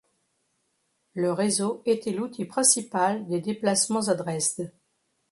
Le réseau était l'outil principal des déplacements à Dresde.